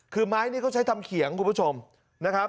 คือไม้นี้เขาใช้ทำเขียงคุณผู้ชมนะครับ